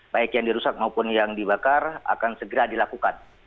baik yang dirusak maupun yang dibakar akan segera dilakukan